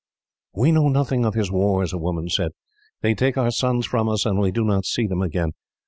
"We know nothing of his wars," a woman said. "They take our sons from us, and we do not see them again.